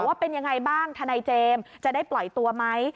ว่าเป็นยังไงบ้างทนายเจมส์จะได้ปล่อยตัวไหม